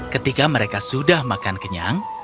ketika mereka sudah makan kenyang